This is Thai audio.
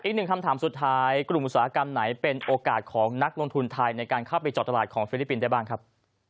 อีกหนึ่งคำถามสุดท้ายกลุ่มอุตสาหกรรมไหนเป็นโอกาสของนักลงทุนไทยในการเข้าไปจอดตลาดของฟิลิปปินส์ได้บ้างครับ